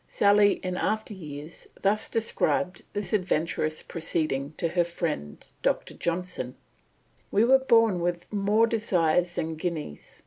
Sally in after years thus described this adventurous proceeding to her friend Dr. Johnson: "We were born with more desires than guineas.